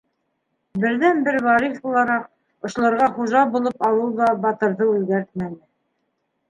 Берҙән-бер вариҫ булараҡ, ошоларға хужа булып алыу ҙа Батырҙы үҙгәртмәне.